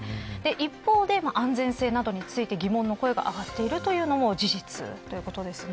一方で安全性などについて疑問の声が上がっているというのも事実ということですね。